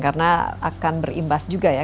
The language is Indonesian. karena akan berimbas juga ya